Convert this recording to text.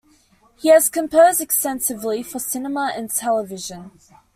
He has composed extensively for cinema and television.